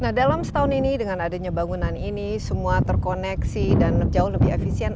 nah dalam setahun ini dengan adanya bangunan ini semua terkoneksi dan jauh lebih efisien